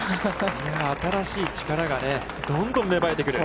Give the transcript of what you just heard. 新しい力が、どんどん芽生えてくる。